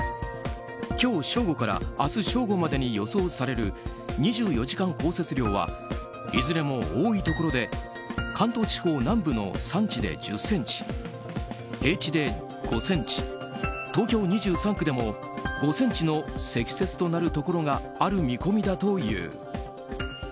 今日正午から明日正午までに予想される２４時間降雪量はいずれも多いところで関東地方南部での山地で１０ｃｍ平地で５ｃｍ、東京２３区でも５ｃｍの積雪となるところがある見込みだという。